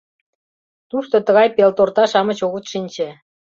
Тушто тыгай пелторта-шамыч огыт шинче.